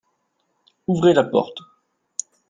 Ouvrez la porte.